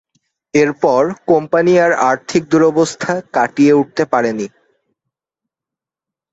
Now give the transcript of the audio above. এরপর কোম্পানি আর আর্থিক দুরবস্থা কাটিয়ে উঠতে পারেনি।